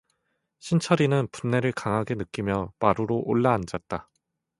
신철이는 분내를 강하게 느끼며 마루로 올라앉았다.